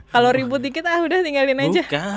kalau ribut dikit ah udah tinggalin aja